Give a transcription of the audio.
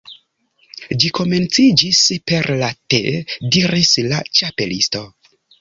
"Ĝi komenciĝis per la Te" diris la Ĉapelisto.